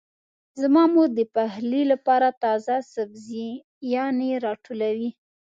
زما مور د پخلي لپاره تازه سبزيانې راټولوي.